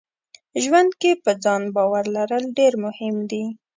ژوند کې په ځان باور لرل ډېر مهم دي.